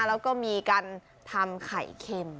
แล้วก็มีการทำไข่เค็ม